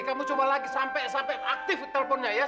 kamu coba lagi sampai aktif telponnya ya